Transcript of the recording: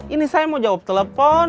ini saya mau jawab telepon